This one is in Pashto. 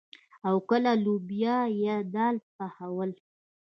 او کله لوبيا يا دال پخول.